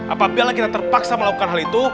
apabila kita terpaksa melakukan hal itu